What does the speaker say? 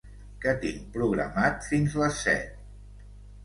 Què tinc programat fins les set?